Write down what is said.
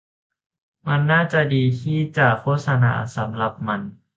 มันน่าจะดีที่จะโฆษณาสำหรับมัน